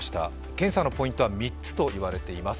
検査のポイントは３つといわれています。